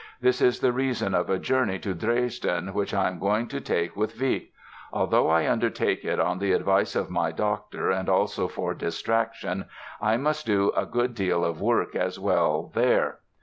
This is the reason of a journey to Dresden which I am going to take with Wieck. Although I undertake it on the advice of my doctor and also for distraction I must do a good deal of work as well there".